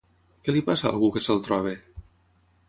Què li passa a algú que se'l trobi?